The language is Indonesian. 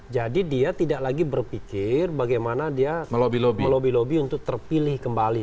jadi dia tidak lagi berpikir bagaimana dia melobby lobby untuk terpilih kembali